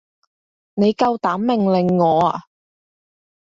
你夠膽命令我啊？